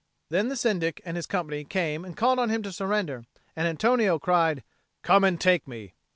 Then the Syndic and his company came and called on him to surrender. And Antonio cried, "Come and take me."